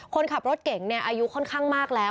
คนขับรถเก่งอายุค่อนข้างมากแล้ว